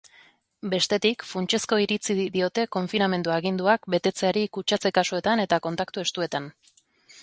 Bestetik, funtsezko iritzi diote konfinamendu-aginduak betetzeari kutsatze-kasuetan eta kontaktu estuetan.